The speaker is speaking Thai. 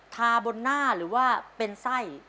ทาบนหน้าหรือว่าเป็นไส้